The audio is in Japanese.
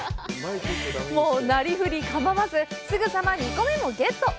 もう、なりふり構わずすぐさま２個目もゲット！